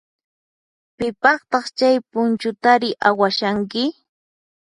Pipaqtaq chay punchutari awashanki?